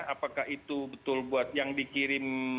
apakah itu betul buat yang dikirim